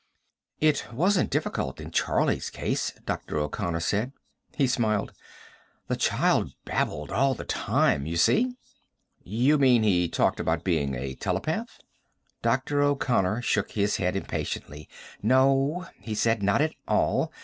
"It wasn't difficult in Charlie's case," Dr. O'Connor said. He smiled. "The child babbled all the time, you see." "You mean he talked about being a telepath?" Dr. O'Connor shook his head impatiently. "No," he said. "Not at all.